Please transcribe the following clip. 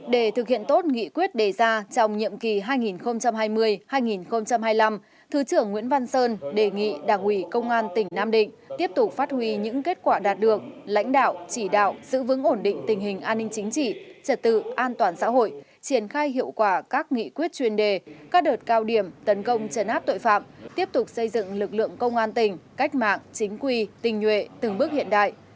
để thực hiện tốt nghị quyết đề ra trong nhiệm kỳ hai nghìn hai mươi hai nghìn hai mươi năm thứ trưởng nguyễn văn sơn đề nghị đảng ủy công an tỉnh nam định tiếp tục phát huy những kết quả đạt được lãnh đạo chỉ đạo giữ vững ổn định tình hình an ninh chính trị trật tự an toàn xã hội triển khai hiệu quả các nghị quyết chuyên đề các đợt cao điểm tấn công trấn áp tội phạm tiếp tục xây dựng lực lượng công an tỉnh cách mạng chính quy tình nhuệ từng bước hiện đại